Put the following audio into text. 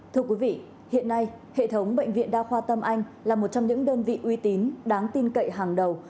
thưa quý vị hiện nay hệ thống bệnh viện đa khoa tâm anh là một trong những đơn vị uy tín đáng tin cậy hàng đầu